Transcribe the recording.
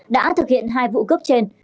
đã thực hiện hai vụ cướp trên